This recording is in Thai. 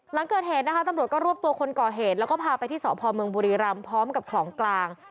หลังเกิดเหตุนะคะตำรวจก็รวบตัวคนก่อเหตุแล้วก็พาไปที่สพเมืองบุรีรำพร้อมกับของกลาง